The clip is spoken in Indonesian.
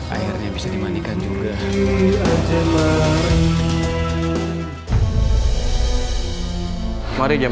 akhirnya bisa dimanikan juga